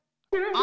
あ！